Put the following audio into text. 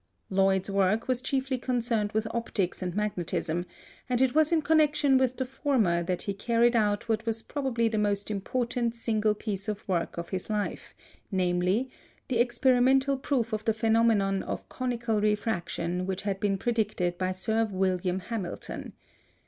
Lloyd's work was chiefly concerned with optics and magnetism, and it was in connection with the former that he carried out what was probably the most important single piece of work of his life, namely, the experimental proof of the phenomenon of conical refraction which had been predicted by Sir William Hamilton.